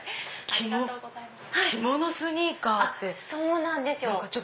ありがとうございます。